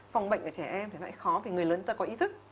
phòng bệnh ở trẻ em thì lại khó vì người lớn ta có ý thức